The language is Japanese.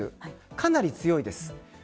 かなり強いです。